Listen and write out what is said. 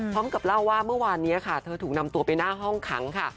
พร้อมกับเล่าว่าเมื่อวานนี้ค่ะเธอถูกนำตัวไปหน้าห้องขังค่ะ